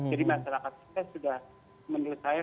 jadi masyarakat kita sudah menurut saya